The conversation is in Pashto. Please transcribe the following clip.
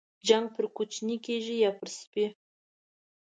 جنگ پر کوچني کېږي ، يا پر سپي.